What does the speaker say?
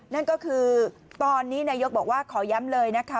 นั่นก็คือตอนนี้นายกบอกว่าขอย้ำเลยนะคะ